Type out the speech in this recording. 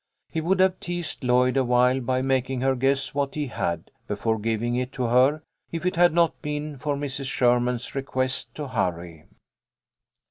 He would have teased Lloyd awhile by making her guess what he had, before giving it to her, if it had not been for Mrs. Sherman's request to hurry.